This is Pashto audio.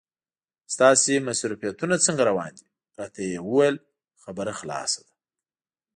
ستاسې مصروفیتونه څنګه روان دي؟ راته یې وویل خبره خلاصه ده.